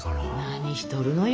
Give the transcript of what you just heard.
何しとるのよ。